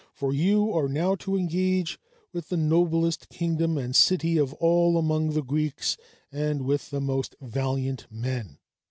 for you are now to engage with the noblest kingdom and city of all among the Greeks and with the most valiant men."